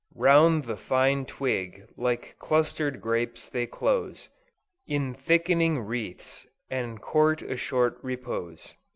Round the fine twig, like cluster'd grapes, they close In thickening wreaths, and court a short repose."